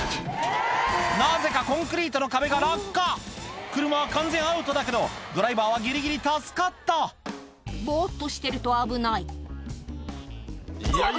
なぜかコンクリートの壁が落下車は完全アウトだけどドライバーはギリギリ助かったぼっとしてると危ないうわ！